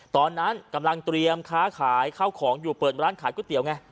ตอนนั้นกำลังเตรียมค้าขายข้าวของอยู่เปิดร้านขายก๋วยเตี๋ยวไง